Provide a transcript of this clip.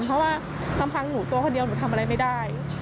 เพราะว่าลำพังหนูตัวคนเดียวหนูทำอะไรไม่ได้